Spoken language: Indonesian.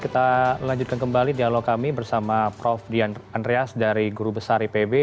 kita lanjutkan kembali dialog kami bersama prof dian andreas dari guru besar ipb